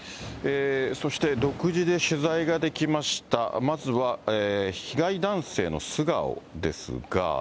そして独自で取材ができました、まずは被害男性の素顔ですが。